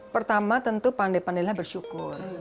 pertama tentu pandai pandainya bersyukur